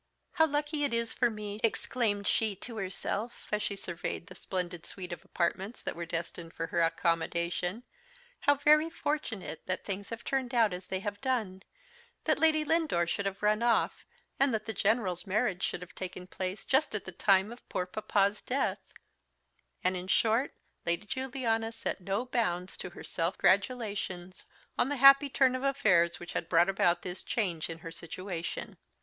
"How lucky is it for me," exclaimed she to herself, as she surveyed the splendid suite of apartments that were destined for her accommodation "how very fortunate that things have turned out as they have done; that Lady Lindore should have run off, and that the General's marriage should have taken place just at the time of poor papa's death " and, in short, Lady Juliana set no bounds to her self gratulations on the happy turn of affairs which had brought about this change in her situation.